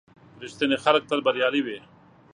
• رښتیني خلک تل بریالي وي.